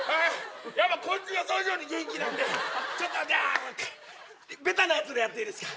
やっぱこいつ予想以上に元気なんでベタなやつでやっていいですか？